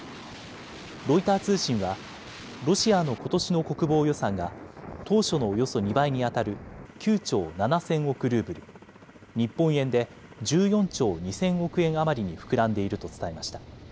ロイター通信は、ロシアのことしの国防予算が、当初のおよそ２倍に当たる９兆７０００億ルーブル、日本円で１４兆２０００億円余りに膨らんでいると伝えました。